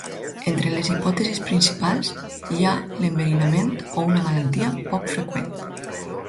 Entre les hipòtesis principals, hi ha l’enverinament o una malaltia poc freqüent.